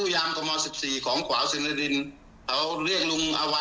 ยังไม่ทันแจ้งจำรวจให้เรียกเอาไว้